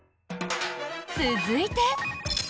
続いて。